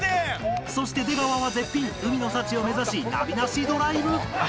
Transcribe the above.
そして出川は絶品海の幸を目指しナビなしドライブ